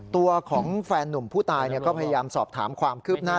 ตัวของแฟนนุ่มผู้ตายก็พยายามสอบถามความคืบหน้า